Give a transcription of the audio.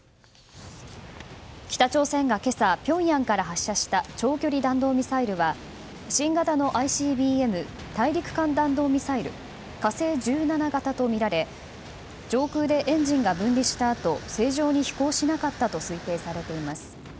北朝鮮が今朝ピョンヤンから発射した長距離弾道ミサイルは、新型のＩＣＢＭ・大陸間弾道ミサイル「火星１７型」とみられ上空でエンジンが分離したあと正常に飛行しなかったと推定されています。